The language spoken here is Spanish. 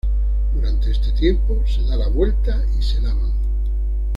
Durante este tiempo se da la vuelta y se lavan.